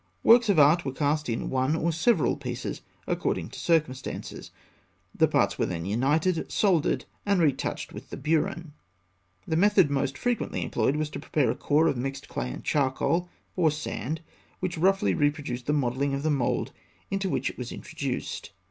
Works of art were cast in one or several pieces according to circumstances; the parts were then united, soldered, and retouched with the burin. The method most frequently employed was to prepare a core of mixed clay and charcoal, or sand, which roughly reproduced the modelling of the mould into which it was introduced.